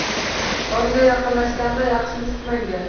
Yoniga yaqinlashganida Yaxshimisiz yanga